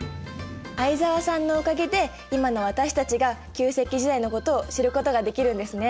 相沢さんのおかげで今の私たちが旧石器時代のことを知ることができるんですね。